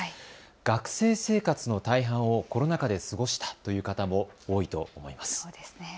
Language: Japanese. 学生生活の大半をコロナ禍で過ごしたという方も多いと思います。